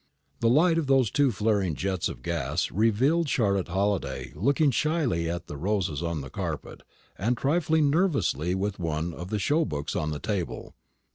The light of those two flaring jets of gas revealed Charlotte Halliday looking shyly at the roses on the carpet, and trifling nervously with one of the show books on the table.